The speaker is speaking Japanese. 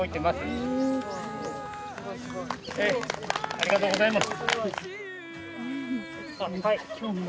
ありがとうございます。